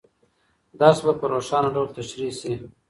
درس به په روښانه ډول تشریح سي.